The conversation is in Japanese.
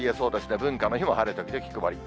文化の日も晴れ時々曇り。